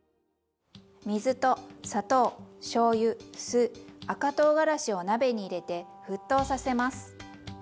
水と砂糖しょうゆ酢赤とうがらしを鍋に入れて沸騰させます。